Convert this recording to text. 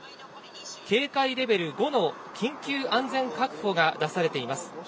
警戒レベル５の緊急安全確保が出されています。